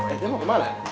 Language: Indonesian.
eh dia mau ke mana